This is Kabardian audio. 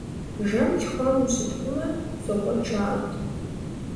Жэм лъхуам ущытхъумэ, зокӀуэкӀ, жаӀэрт.